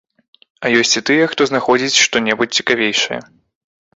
А ёсць і тыя, хто знаходзіць што-небудзь цікавейшае.